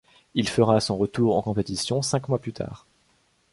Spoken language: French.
Il fera son retour en compétition cinq mois plus tard.